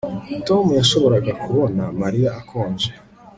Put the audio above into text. tom yashoboraga kubona mariya akonje